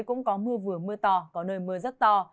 cũng có mưa vừa mưa to có nơi mưa rất to